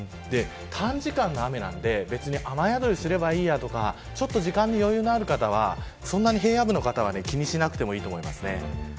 短時間の雨なので雨宿りすればいいやとか時間に余裕のある方はそんなに平野部の方は気にしなくてもいいと思います。